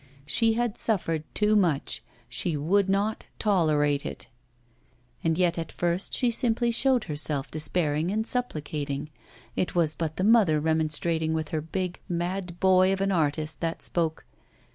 She had suffered too much, she would not tolerate it. And yet at first she simply showed herself despairing and supplicating. It was but the mother remonstrating with her big mad boy of an artist that spoke.